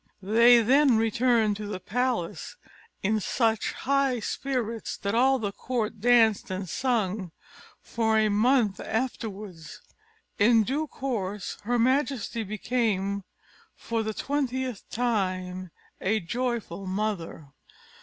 They then returned to the palace in such high spirits, that all the court danced and sung for a month afterwards. In due course her majesty became, for the twentieth time, a joyful mother.